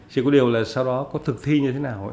chỉ có điều là sau đó có thực thi như thế nào